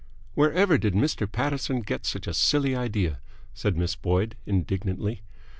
"Wherever did Mr. Paterson get such a silly idea?" said Miss Boyd, indignantly.